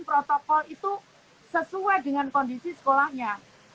protokol itu sesuai dengan kondisi sekolahnya